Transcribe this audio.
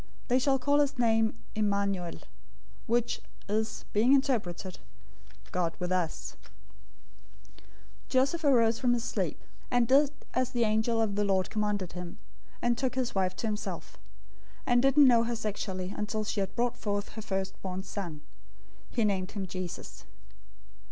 They shall call his name Immanuel;" which is, being interpreted, "God with us."{Isaiah 7:14} 001:024 Joseph arose from his sleep, and did as the angel of the Lord commanded him, and took his wife to himself; 001:025 and didn't know her sexually until she had brought forth her firstborn son. He named him Jesus.